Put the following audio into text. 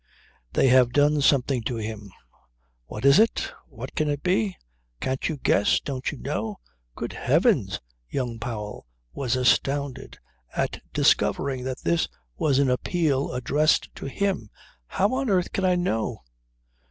"They have done something to him! What is it? What can it be? Can't you guess? Don't you know?" "Good heavens!" Young Powell was astounded on discovering that this was an appeal addressed to him. "How on earth can I know?"